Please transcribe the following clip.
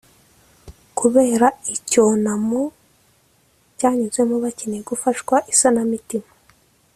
kubera icyonamo cyanyuzemo bakeneye gufashwa isanamitima